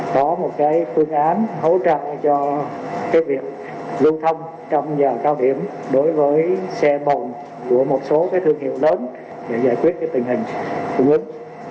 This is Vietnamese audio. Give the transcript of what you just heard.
có một phương án hỗ trợ cho việc lưu thông trong giờ cao điểm đối với xe bồn của một số thương hiệu lớn để giải quyết tình hình cung ứng